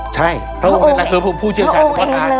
ใช่พระองค์นั่นคือผู้เชี่ยวชาญเฉพาะทาง